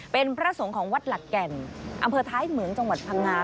เป็นพระสงฆ์ของวัดหลักแก่นอำเภอท้ายเหมืองจังหวัดพังงา